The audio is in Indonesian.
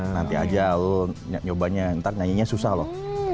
nanti aja nyobanya ntar nyanyinya susah loh